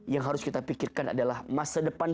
yang harus kita pikirkan adalah masa depan